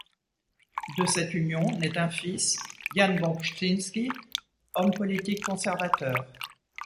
De cette union naît un fils, Jan Bobrzyński, homme politique conservateur.